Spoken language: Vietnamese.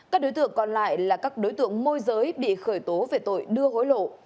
các đối tượng còn lại là các đối tượng môi giới bị khởi tố về tội đưa hối lộ